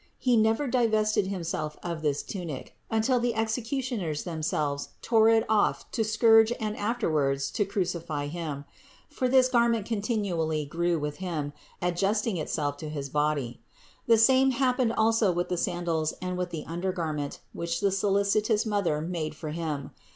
He never divested Him self of this tunic, until the executioners themselves tore 591 592 CITY OF GOD it off to scourge and afterwards to crucify Him; for this garment continually grew with Him, adjusting itself to his body. The same happened also with the sandals and with the undergarment, which the solicitous Mother made for Him.